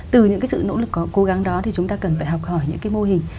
từ những cái sự nỗ lực cố gắng đó thì chúng ta cần phải học hỏi những cái mô hình